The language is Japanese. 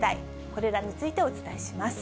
これらについてお伝えします。